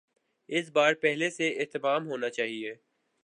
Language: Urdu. اس بار پہلے سے اہتمام ہونا چاہیے۔